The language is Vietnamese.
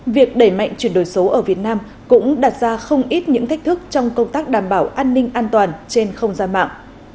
việc đẩy mạnh chuyển đổi số ở việt nam cũng đặt ra không ít những thách thức trong công tác đảm bảo an ninh an toàn trên không gian mạng